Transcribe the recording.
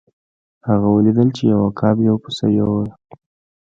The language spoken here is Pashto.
هغه ولیدل چې یو عقاب یو پسه یووړ.